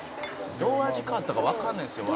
「どう味変わったかわかんないんですよ